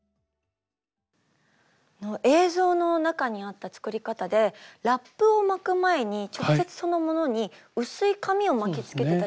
映像の中にあった作り方でラップを巻く前に直接そのものに薄い紙を巻きつけてたじゃないですか。